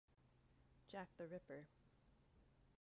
Jack the Ripper.